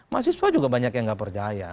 mahasiswa juga banyak yang nggak percaya